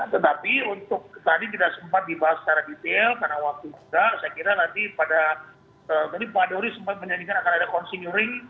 tetapi untuk tadi tidak sempat dibahas secara detail karena waktu juga saya kira nanti pada tadi pak dori sempat menyanyikan akan ada consinyuring